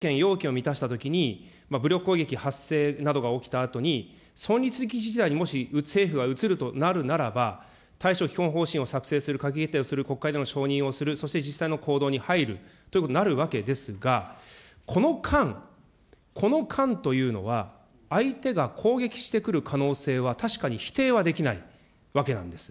わが国はそういった条件、要件を満たしたときに、武力攻撃発生などが起きたあとに、存立危機事態にもし政府が移るとなるならば、対処基本方針を作成する、閣議決定をする、国会での承認をする、そして実際の行動に入るということになるわけですが、この間、この間というのは、相手が攻撃してくる可能性は確かに否定はできないわけなんです。